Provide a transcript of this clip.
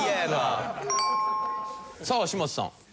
さあ嶋佐さん。